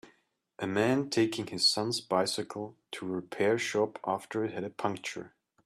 A man taking his son 's bicycle to a repair shop after it had a puncture.